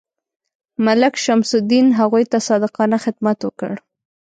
ملک شمس الدین هغوی ته صادقانه خدمت وکړ.